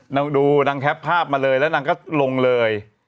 นางดูนางแคปภาพมาเลยแล้วนางก็ลงเลย